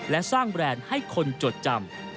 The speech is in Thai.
และสร้างแบรนด์ให้คนจดจำ